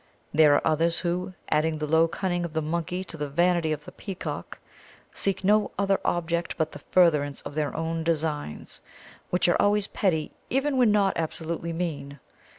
There are others who, adding the low cunning of the monkey to the vanity of the peacock, seek no other object but the furtherance of their own designs, which are always petty even when not absolutely mean.